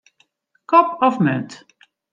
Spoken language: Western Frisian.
Kop of munt.